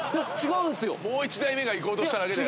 もう１台が行こうとしただけだよ。